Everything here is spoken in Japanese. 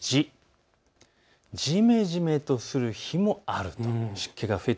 じ、じめじめする日もある。